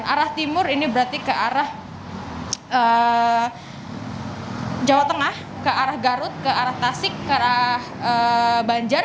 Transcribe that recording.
arah timur ini berarti ke arah jawa tengah ke arah garut ke arah tasik ke arah banjar